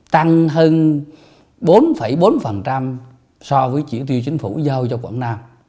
tăng hơn bốn bốn so với chỉ tiêu chính phủ giao cho quảng nam